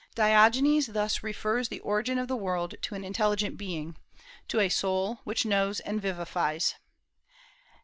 Diogenes thus refers the origin of the world to an intelligent being, to a soul which knows and vivifies.